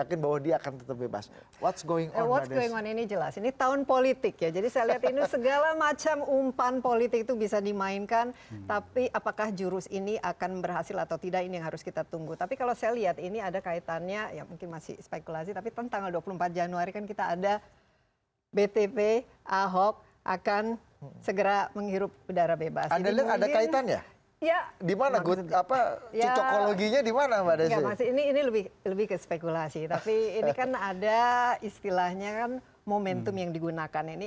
ini lebih ke spekulasi tapi ini kan ada istilahnya momentum yang digunakan